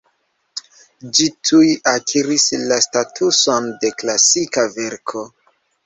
Ĝi tuj akiris la statuson de klasika verko.